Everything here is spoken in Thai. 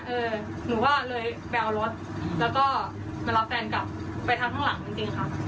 หนูก็เลยไปเอารถแล้วก็มารับแฟนกลับไปทางข้างหลังจริงค่ะ